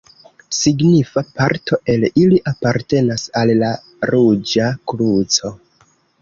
Signifa parto el ili apartenas al la Ruĝa Kruco.